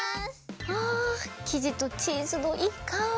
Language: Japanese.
あきじとチーズのいいかおり！